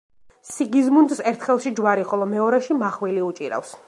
სიგიზმუნდს ერთ ხელში ჯვარი, ხოლო მეორეში მახვილი უჭირავს.